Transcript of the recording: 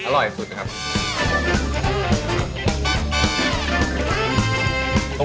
อร่อยสุดนะครับ